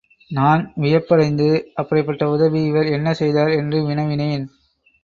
நான் வியப்படைந்து, அப்படிப்பட்ட உதவி இவர் என்ன செய்தார்? என்று வினவினேன்.